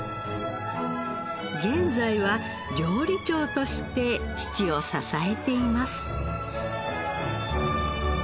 現在は料理長として父を支えています。